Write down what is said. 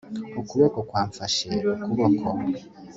ukuboko kwamfashe ukuboko